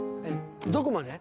どこまで？